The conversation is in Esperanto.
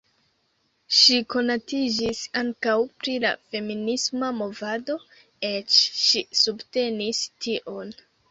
Ŝi konatiĝis ankaŭ pri la feminisma movado, eĉ ŝi subtenis tion.